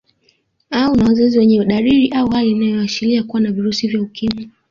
Au na wazazi wenye dalili au hali inayoashiria kuwa na virusi vya Ukimwi